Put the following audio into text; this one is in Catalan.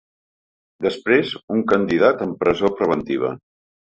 Després, un candidat en presó preventiva.